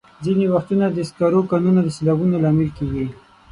ځینې وختونه د سکرو کانونه د سیلابونو لامل کېږي.